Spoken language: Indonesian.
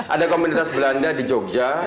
ada komunitas belanda di jogja